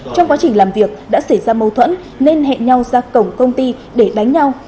trong quá trình làm việc đã xảy ra mâu thuẫn nên hẹn nhau ra cổng công ty để đánh nhau